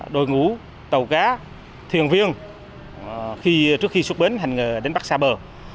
đội ngũ tàu cá thuyền viên trước khi xuất bến hành nghề đánh bắt xa bờ